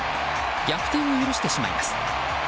逆転を許してしまいます。